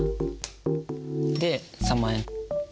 で３万円。